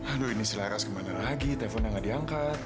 aduh ini si laras kemana lagi teleponnya enggak diangkat